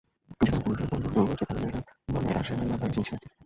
যেখানে পুরুষের পৌরুষ দুর্বল সেখানেই মেয়েরা নেবে আসে আর নাবায় নীচতার দিকে।